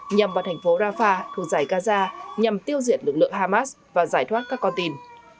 nhằm vào thành phố rafah thuộc giải gaza nhằm tiêu diệt lực lượng hamas và giải thoát các con tin